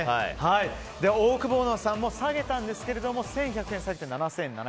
オオクボーノさんも下げたんですけれども１１００円下げて７７００円。